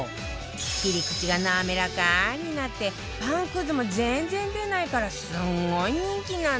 切り口が滑らかになってパンくずも全然出ないからすごい人気なんだって